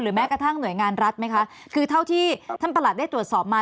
แม้กระทั่งหน่วยงานรัฐไหมคะคือเท่าที่ท่านประหลัดได้ตรวจสอบมา